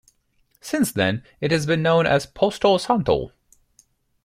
Since then, it has been known as Posto Santo.